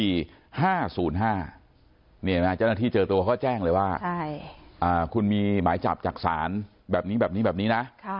นี่เห็นไหมเจ้าหน้าที่เจอตัวเขาแจ้งเลยว่าคุณมีหมายจับจากศาลแบบนี้แบบนี้แบบนี้นะ